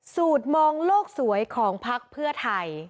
สูตรมองโลกสวยของพักเพื่อไทย